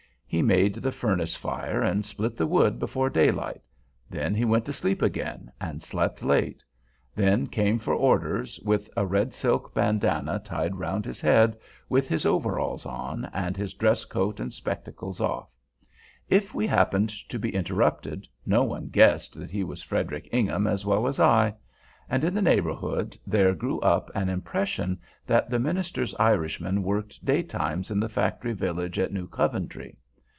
He made the furnace fire and split the wood before daylight; then he went to sleep again, and slept late; then came for orders, with a red silk bandanna tied round his head, with his overalls on, and his dress coat and spectacles off. If we happened to be interrupted, no one guessed that he was Frederic Ingham as well as I; and, in the neighborhood, there grew up an impression that the minister's Irishman worked day times in the factory village at New Coventry.